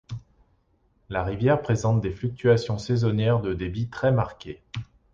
La rivière présente des fluctuations saisonnières de débit très marquées.